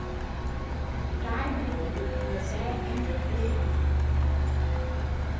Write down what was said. Trai mà đối được ngựa xe em rước liền